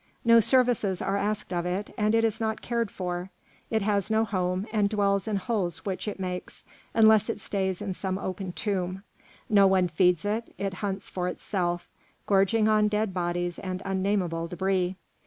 No services are asked of it, and it is not cared for; it has no home and dwells in holes which it makes, unless it stays in some open tomb; no one feeds it; it hunts for itself, gorging on dead bodies and unnamable débris.